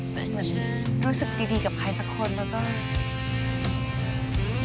เหมือนรู้สึกดีกับใครสักคนแล้วก็